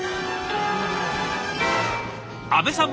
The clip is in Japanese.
阿部さん